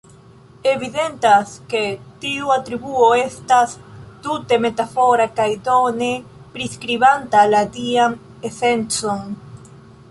Evidentas ke tiu atribuo estas tute metafora kaj, do, ne priskribanta la dian esencon.